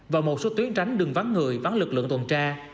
và một số tuyến tránh đường vắng người bắn lực lượng tuần tra